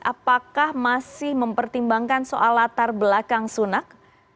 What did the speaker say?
apakah masih mempertimbangkan soal latar belakang sunak